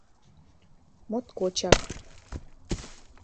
— Моткочак...